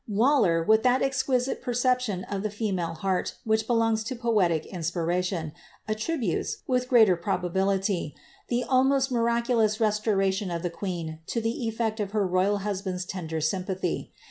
'^ Waller, with that exquisite perception of the female heart which belongs to poetic inspiration, attributes, with gmtei probability, the almost miraculous restoration of the queen to the effcd of her royid husband^s tender sympathy.